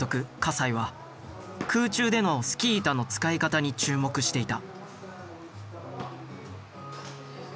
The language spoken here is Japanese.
西は空中でのスキー板の使い方に注目していた。